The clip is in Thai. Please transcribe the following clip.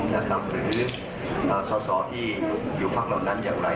หรือสอสอที่อยู่พักเหล่านั้นอย่างไร